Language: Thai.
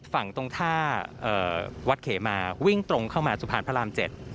ฝั่งตรงท่าวัดเขมาวิ่งตรงเข้ามาสะพานพระราม๗